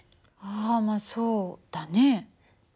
あまあそうだね。